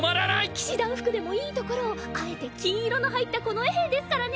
騎士団服でもいいところをあえて金色の入った近衛兵ですからね。